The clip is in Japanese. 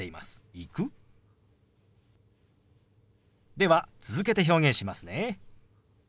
では続けて表現しますね。